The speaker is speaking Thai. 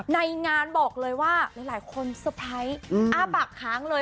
ในงานบอกเลยว่าหลายคนเซอร์ไพรส์อ้าปากค้างเลย